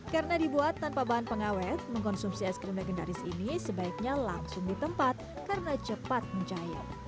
karena dibuat tanpa bahan pengawet mengkonsumsi es krim legendaris ini sebaiknya langsung ditempat karena cepat menjaya